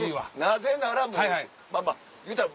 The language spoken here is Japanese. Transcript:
なぜならもういうたら。